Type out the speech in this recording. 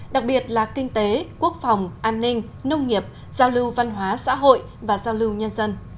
đặc biệt là kinh tế quốc phòng an ninh nông nghiệp giao lưu văn hóa xã hội và giao lưu nhân dân